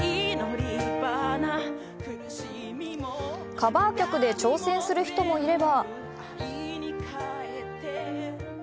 カバー曲で挑戦する人もいれば。